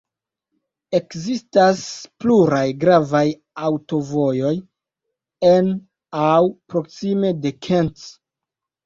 Ekzistas pluraj gravaj aŭtovojoj en aŭ proksime de Kent.